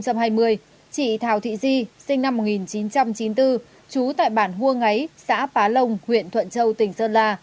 chị thảo thị di sinh năm một nghìn chín trăm chín mươi bốn trú tại bản huông ấy xã pá lông huyện thuận châu tỉnh sơn la